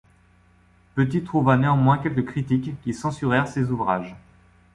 Petit trouva néanmoins quelques critiques qui censurèrent ses ouvrages.